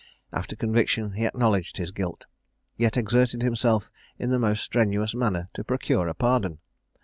After conviction he acknowledged his guilt, yet exerted himself in the most strenuous manner to procure a pardon.